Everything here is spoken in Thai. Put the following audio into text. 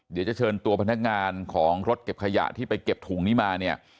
เดี๋ยวจะเชิญตัวพนักงานของรถเก็บขยะที่ไปเก็บถุงนี้มาเนี่ย